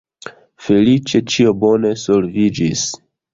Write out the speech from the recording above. Feliĉe ĉio bone solviĝis.